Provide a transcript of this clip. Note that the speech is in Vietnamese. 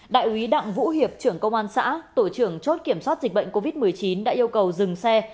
đại úy đặng vũ hiệp trưởng công an xã tổ trưởng chốt kiểm soát dịch bệnh covid một mươi chín đã yêu cầu dừng xe